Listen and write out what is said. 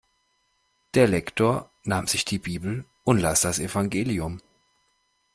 Der Lektor nahm sich die Bibel und las das Evangelium.